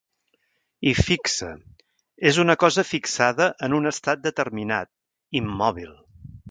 I fixa, és una cosa fixada en un estat determinat, immòbil.